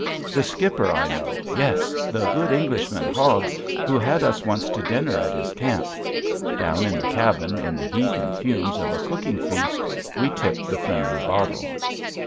The skipper I know, yes! the good Englishman, Hogg, who had us once to dinner at his camp. Down in the cabin in the heat and fumes of a cooking feast we tip the friendly bottle.